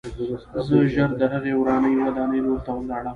زه ژر د هغې ورانې ودانۍ لور ته لاړم